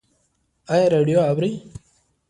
ایا راډیو اورئ؟